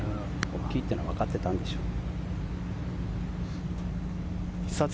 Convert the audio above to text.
大きいというのはわかっていたんでしょう。